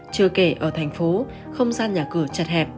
chưa kể ở thành phố không gian nhà cửa chật hẹp